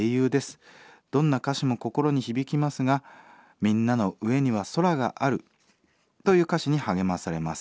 どんな歌詞も心に響きますが『みんなの上には空がある』という歌詞に励まされます。